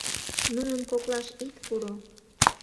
Нунын коклаш ит пуро.